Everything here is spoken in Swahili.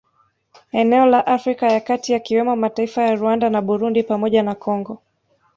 Eneo la Afrika ya kati yakiwemo mataifa ya Rwanda na Burundi pamoja na Congo